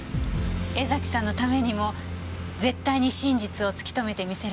江崎さんのためにも絶対に真実を突き止めてみせるから。